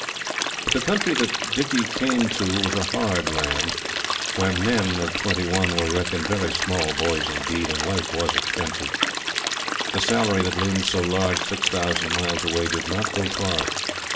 But the country that Dicky came to was a hard land, where "men" of twenty one were reckoned very small boys indeed, and life was expensive. The salary that loomed so large six thousand miles away did not go far.